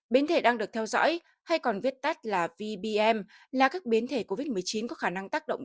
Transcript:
biến thể đang được theo dõi hay còn viết tắt là vbm là các biến thể covid một mươi chín có khả năng tác động